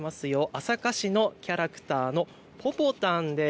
朝霞市のキャラクターのぽぽたんです。